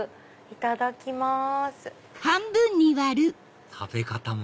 いただきます。